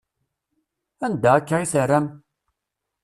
Anda akka i terram?